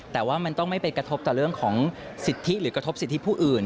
แต่ว่ามันต้องไม่ไปกระทบต่อเรื่องของสิทธิหรือกระทบสิทธิผู้อื่น